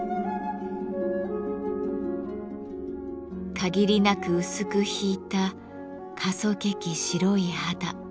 限りなく薄くひいたかそけき白い肌。